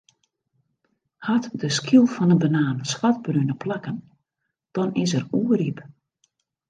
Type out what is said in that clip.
Hat de skyl fan 'e banaan swartbrune plakken, dan is er oerryp.